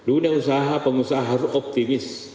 dunia usaha pengusaha harus optimis